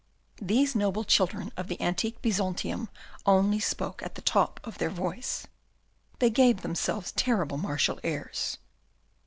These noble childen of the antique Bisontium only spoke at the top of their voice. They gave themselves terrible martial airs.